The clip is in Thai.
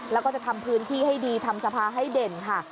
แล้วก็จะทำพื้นที่ให้ดีทำสภาให้เด่นค่ะ